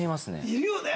いるよね。